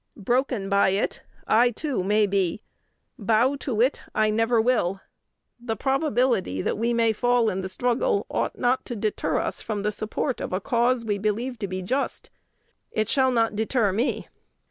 Broken by it, I, too, may be; bow to it, I never will. The probability that we may fall in the struggle ought not to deter us from the support of a cause we believe to be just. It shall not deter me.